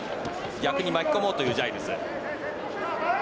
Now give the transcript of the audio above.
逆に巻き込もうというジャイルズ。